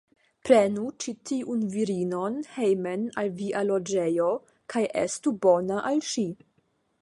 Prenu ĉi tiun virinon hejmen al via loĝejo, kaj estu bona al ŝi.